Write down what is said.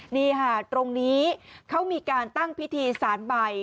นี่ค่ะตรงนี้เขามีการตั้งพิธีสารใบ